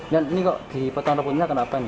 dan ini kok di petang reputnya kenapa nih